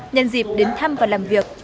nhân dịp đến thăm và làm việc